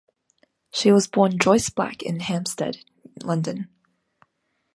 She was born Joyce Black in Hampstead, London.